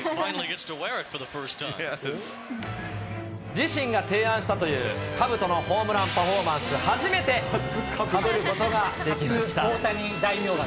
自身が提案したという、かぶとのホームランパフォーマンス、初めてかぶることができました。